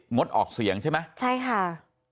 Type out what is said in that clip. งดออกเสียงใช่ไหมใช่ค่ะ